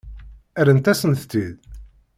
Rrant-asent-tt-id?